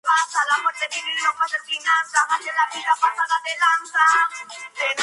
La fruticultura es otra actividad económica que viene destacándose en el municipio.